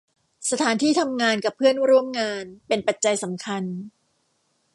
สถานที่ทำงานกับเพื่อนร่วมงาน เป็นปัจจัยสำคัญ